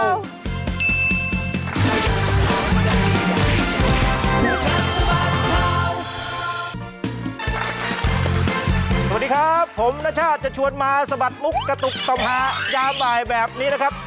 สวัสดีครับผมนชาติจะชวนมาสะบัดมุกกระตุกต่อมหายามบ่ายแบบนี้นะครับ